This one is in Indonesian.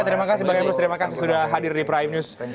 terima kasih sudah hadir di prime news